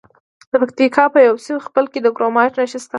د پکتیکا په یوسف خیل کې د کرومایټ نښې شته.